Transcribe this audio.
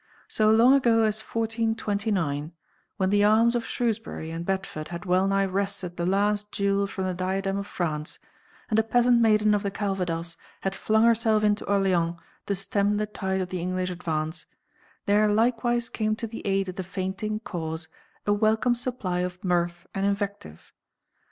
So long ago as 1429, when the arms of Shrewsbury and Bedford had well nigh wrested the last jewel from the diadem of France, and a peasant maiden of the Calvados had flung herself into Orleans to stem the tide of the English advance, there likewise came to the aid of the fainting cause a welcome supply of mirth and invective.